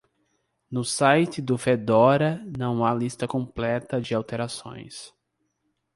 No site do Fedora, há uma lista completa de alterações.